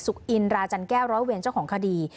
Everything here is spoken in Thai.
อินราจันแก้วร้อยเวรเจ้าของคดี